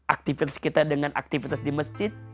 aktivitas kita dengan aktivitas di masjid